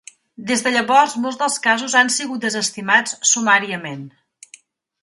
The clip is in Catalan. Des de llavors, molts dels casos han sigut desestimats sumàriament.